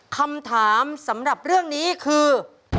คำถามสำหรับเรื่องนี้คือ